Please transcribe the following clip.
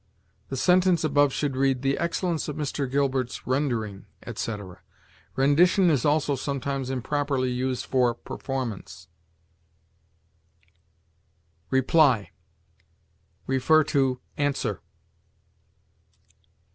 The sentence above should read, "The excellence of Mr. Gilbert's rendering," etc. Rendition is also sometimes improperly used for performance. REPLY. See ANSWER.